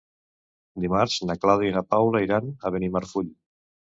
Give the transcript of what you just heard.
Dimarts na Clàudia i na Paula iran a Benimarfull.